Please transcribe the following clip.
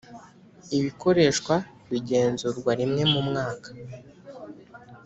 ibikoreshwa bigenzurwa rimwe mu mwaka